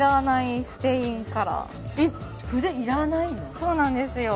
そうなんですよ